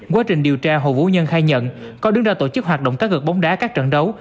quá trình điều tra hồ vũ nhân khai nhận có đứng ra tổ chức hoạt động cá gợc bóng đá các trận đấu